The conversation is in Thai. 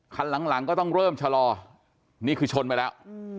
คันหลังก็ต้องเริ่มชะลอนี่คือชนไปแล้ว